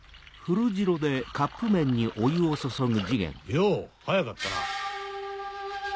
よぉ早かったな。